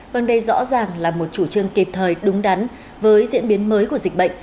vâng đây rõ ràng là một chủ trương kịp thời đúng đắn với diễn biến mới của dịch bệnh